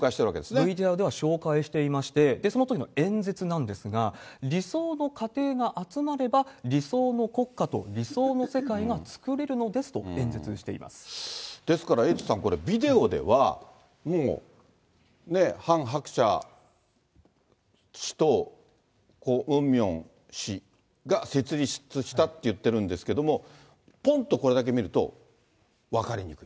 ＶＴＲでは紹介していまして、そのときの演説なんですが、理想の家庭が集まれば、理想の国家と理想の世界が作れるのですと演説ですからエイトさん、これ、ビデオでは、もうね、ハン・ハクチャ氏と、故・ムン・ソンミョン氏が設立したって言ってるんですけども、ぽんとこれだけ見ると、分かりにくい。